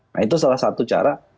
nah itu salah satu cara